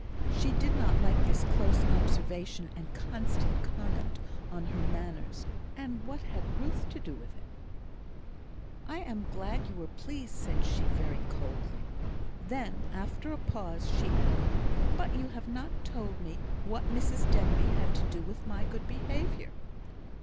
She did not like this close observation and constant comment upon her manners; and what had Ruth to do with it? "I am glad you were pleased," said she, very coldly. Then, after a pause, she added, "But you have not told me what Mrs Denbigh had to do with my good behaviour."